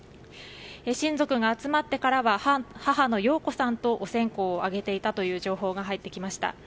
親族が集まってからは母の洋子さんとお線香をあげていたという情報が入ってきました。